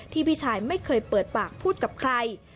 พี่ชายไม่เคยเปิดปากพูดกับใคร